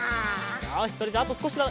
よしそれじゃああとすこしだ。